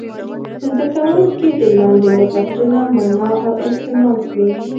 زده کوونکي دې لاندې لغتونه معنا او استعمال کړي.